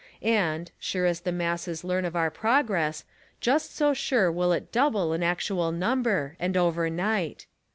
And, sure as the masses learn of our progress, just so sure will it double in actual number and over night.